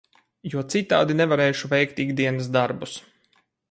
Jo citādi nevarēšu veikt ikdienas darbus.